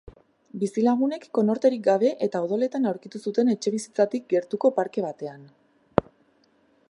Bizilagunek konorterik gabe eta odoletan aurkitu zuten etxebizitzatik gertuko parke batean.